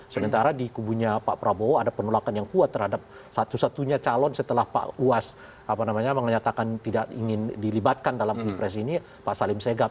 sementara di kubunya pak prabowo ada penolakan yang kuat terhadap satu satunya calon setelah pak uas mengatakan tidak ingin dilibatkan dalam pilpres ini pak salim segap